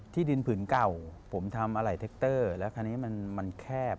ที่ดินผืนเก่าผมทำอะไรเทคเตอร์แล้วคราวนี้มันแคบ